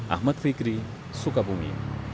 ahmad fikri sukabumi